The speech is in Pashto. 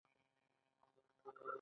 لومړۍ برخه یې رسمي روزنه او تعلیم دی.